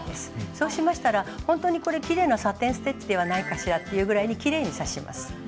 そうしましたらほんとにこれきれいなサテン・ステッチではないかしらっていうぐらいにきれいに刺します。